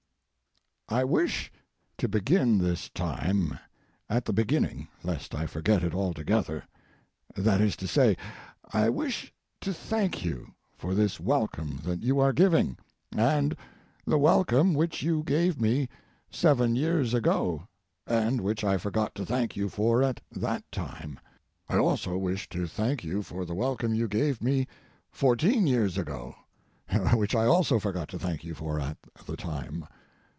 I wish to begin this time at the beginning, lest I forget it altogether; that is to say, I wish to thank you for this welcome that you are giving, and the welcome which you gave me seven years ago, and which I forgot to thank you for at that time. I also wish to thank you for the welcome you gave me fourteen years ago, which I also forgot to thank you for at the time.